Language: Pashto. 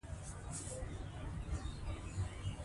که ناول وي نو وخت نه اوږدیږي.